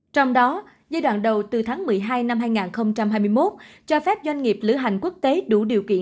trong đó giai đoạn đầu từ tháng một mươi hai năm hai nghìn hai mươi một cho phép doanh nghiệp lữ hành quốc tế đủ điều kiện